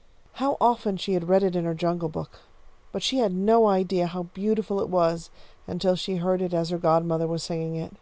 '" How often she had read it in her "Jungle Book," but she had no idea how beautiful it was until she heard it as her godmother was singing it.